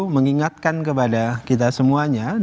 mengingatkan kepada kita semuanya